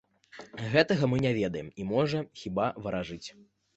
Гэтага мы не ведаем, і можам, хіба, варажыць.